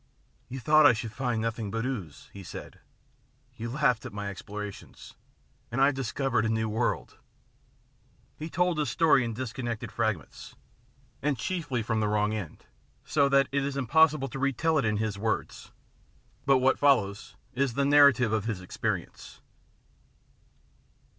" You thought I should find nothing but ooze," he said. " You laughed at my explorations, and I've discovered a new world !" He told his story in disconnected fragments, and chiefly from the wrong end, so that it is impossible to re tell it in his words. But what follows is the narrative of his experience.